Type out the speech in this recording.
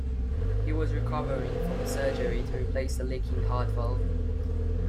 He was recovering from a surgery to replace a leaking heart valve.